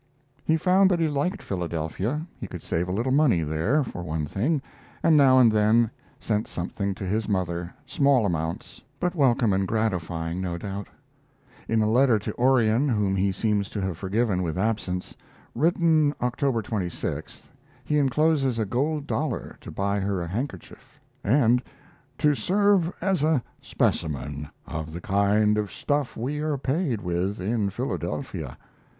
He found that he liked Philadelphia. He could save a little money there, for one thing, and now and then sent something to his mother small amounts, but welcome and gratifying, no doubt. In a letter to Orion whom he seems to have forgiven with absence written October 26th, he incloses a gold dollar to buy her a handkerchief, and "to serve as a specimen of the kind of stuff we are paid with in Philadelphia."